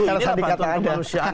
ini adalah bantuan kemanusiaan